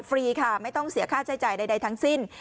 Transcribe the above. ฟรีค่ะไม่ต้องเสียค่าใช้จ่ายใดทั้งสิ้น